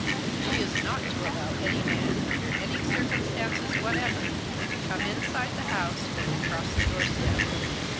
She is not to allow any man, under any circumstances whatever, to come inside the house, or to cross the doorstep.